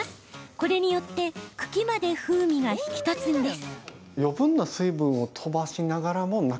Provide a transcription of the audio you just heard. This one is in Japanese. これによって茎まで風味が引き立つんです。